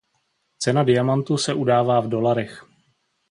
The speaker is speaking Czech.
Cena diamantu se udává v dolarech.